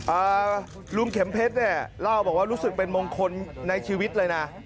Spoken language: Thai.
อ่าลุงเข็มเพชรเนี่ยเล่าบอกว่ารู้สึกเป็นมงคลในชีวิตเลยนะ